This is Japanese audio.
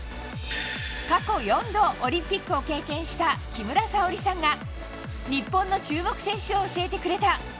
過去４度オリンピックを経験した木村沙織さんが日本の注目選手を教えてくれた。